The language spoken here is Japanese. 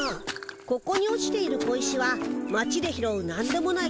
ここに落ちている小石は町で拾うなんでもない